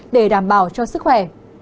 để đảm bảo cho sức khỏe